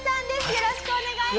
よろしくお願いします！